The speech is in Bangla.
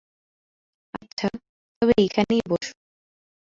আচ্ছা, তবে এইখানেই বোসো।